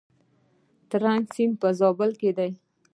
ترنک سیند په زابل کې دی؟